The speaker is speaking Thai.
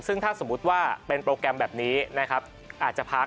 ซึ่งถ้าสมมุติว่าเป็นโปรแกรมแบบนี้นะครับอาจจะพัก